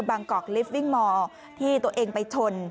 กอกลิฟต์วิ่งมอร์ที่ตัวเองไปชน